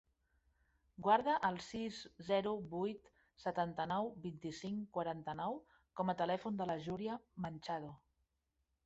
Guarda el sis, zero, vuit, setanta-nou, vint-i-cinc, quaranta-nou com a telèfon de la Júlia Manchado.